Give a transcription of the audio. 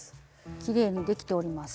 きれいにできております。